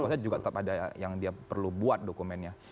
maksudnya juga tetap ada yang dia perlu buat dokumennya